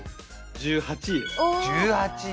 １８位。